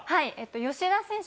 吉田選手